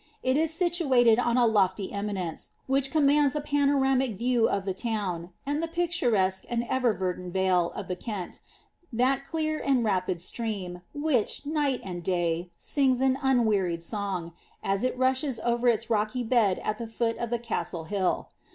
It is situated on a lofty eminence, which commands a panoramic view of the town, and the picturesque and ever yerdant vale of the Kent, that clear and rapid stream, which, night and day, sings an unwearied song, as it rushes over its rocky bed at the foot of the castle hill.